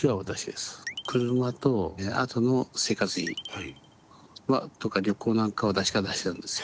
車とあとの生活費とか旅行なんかは私が出してるんですよ。